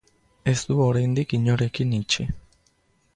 Ez du oraindik inorekin itxi.